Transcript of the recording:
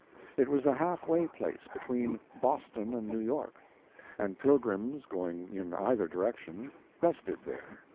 It was the half way place between Boston and New York, and pilgrims going in either direction rested there.